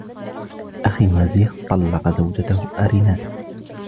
أخي مازيغ طلق زوجته آريناس.